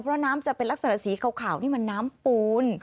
เพราะน้ำจะเป็นลักษณะสีขาวนี่มันน้ำปูน